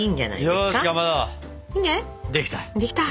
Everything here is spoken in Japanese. できた。